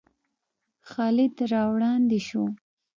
خالد را وړاندې شو.